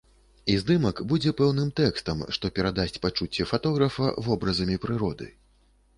І здымак будзе пэўным тэкстам, што перадасць пачуцці фатографа вобразамі прыроды.